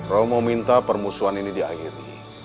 romo minta permusuhan ini diakhiri